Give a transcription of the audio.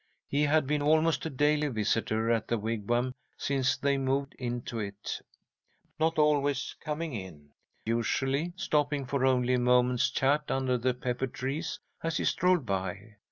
He had been almost a daily visitor at the Wigwam since they moved into it, not always coming in, usually stopping for only a moment's chat under the pepper trees, as he strolled by.